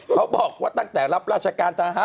ขอบคุณใครคะ